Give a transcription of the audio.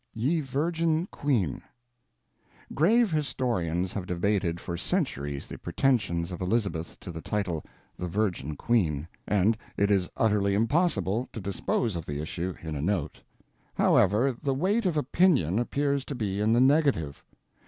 YE VIRGIN QUEENE Grave historians have debated for centuries the pretensions of Elizabeth to the title, "The Virgin Queen," and it is utterly impossible to dispose of the issue in a note. However, the weight of opinion appears to be in the negative.